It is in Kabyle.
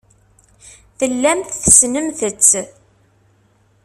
Tellamt tessnemt-tt.